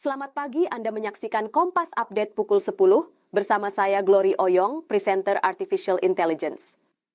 selamat pagi anda menyaksikan kompas update pukul sepuluh bersama saya glory oyong presenter artificial intelligence